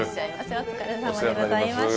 お疲れさまでございました。